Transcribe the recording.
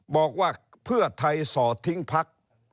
บอกว่าเพื่อไทยสอดทิ้งพัก